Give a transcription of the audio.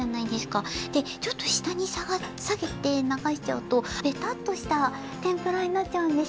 でちょっとしたにさげてながしちゃうとベタッとしたてんぷらになっちゃうんですよ。